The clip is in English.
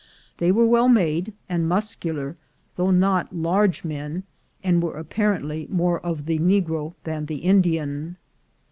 They were well made, and muscular though not large men, and were apparently more of the Negro than the Indian.